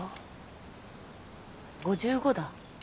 ５５だ。